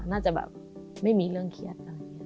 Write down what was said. น่าจะแบบไม่มีเรื่องเครียด